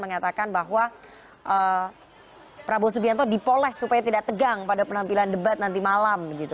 mengatakan bahwa prabowo subianto dipoles supaya tidak tegang pada penampilan debat nanti malam